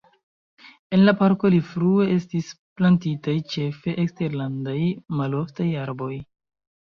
En la parko pli frue estis plantitaj ĉefe eksterlandaj maloftaj arboj.